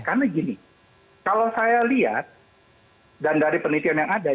karena gini kalau saya lihat dan dari penelitian yang ada